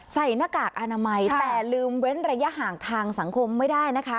หน้ากากอนามัยแต่ลืมเว้นระยะห่างทางสังคมไม่ได้นะคะ